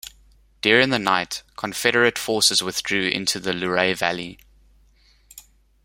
During the night, Confederate forces withdrew into the Luray Valley.